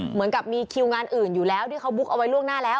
เหมือนกับมีคิวงานอื่นอยู่แล้วที่เขาบุ๊กเอาไว้ล่วงหน้าแล้ว